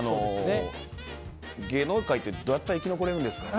芸能界ってどうやったら生き残れるんですか。